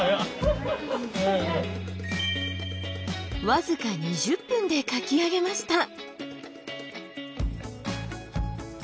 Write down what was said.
僅か２０分で描き上げました。